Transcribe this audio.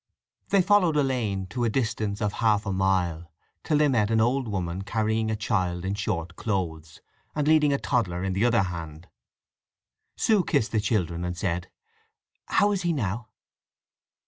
They followed a lane to a distance of half a mile, till they met an old woman carrying a child in short clothes, and leading a toddler in the other hand. Sue kissed the children, and said, "How is he now?"